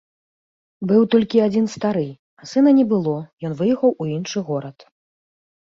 Быў толькі адзін стары, а сына не было, ён выехаў у іншы горад.